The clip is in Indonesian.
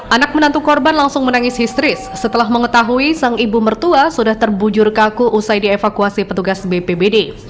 anak menantu korban langsung menangis histeris setelah mengetahui sang ibu mertua sudah terbujur kaku usai dievakuasi petugas bpbd